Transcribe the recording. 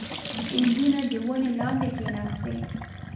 • نجونه د ونې لاندې کښېناستې.